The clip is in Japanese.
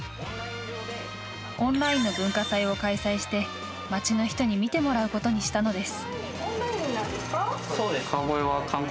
オンラインの文化祭を開催して町の人に見てもらうことにしたのです。